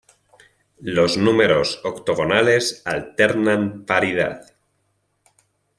Los números octogonales alternan paridad.